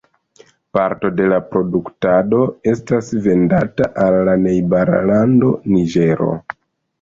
Parto de la produktado estas vendata al la najbara lando Niĝero.